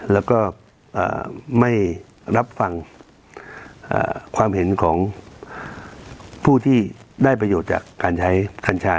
แล้วก็ไม่รับฟังความเห็นของผู้ที่ได้ประโยชน์จากการใช้กัญชา